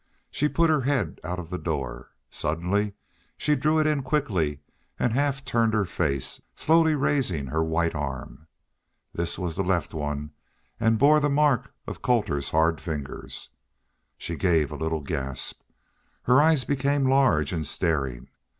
She put her head out of the door. Suddenly she drew it in quickly and half turned her face, slowly raising her white arm. This was the left one and bore the marks of Colter's hard fingers. She gave a little gasp. Her eyes became large and staring.